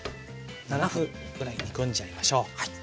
７分ぐらい煮込んじゃいましょう。